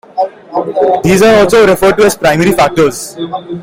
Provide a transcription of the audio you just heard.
These are also referred to as "primary factors".